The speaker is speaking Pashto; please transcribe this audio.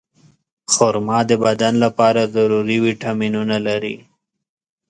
خرما د بدن لپاره ضروري ویټامینونه لري.